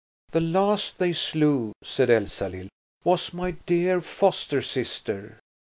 "The last they slew," said Elsalill, "was my dear foster sister.